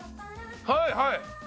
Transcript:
「はいはい！」